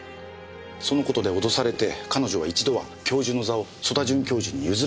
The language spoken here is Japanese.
そのことで脅されて彼女は一度は教授の座を曽田准教授に譲ると約束した。